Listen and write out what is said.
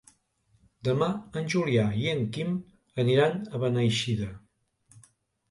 Demà en Julià i en Quim aniran a Beneixida.